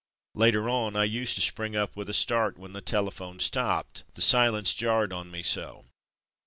Later on, I used to spring up with a start when the telephone stopped — the silence jarred on me so.